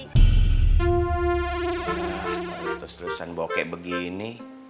nah kalau terseluruhan bokek begini